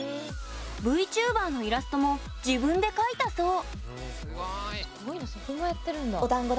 ＶＴｕｂｅｒのイラストも自分で描いたそう。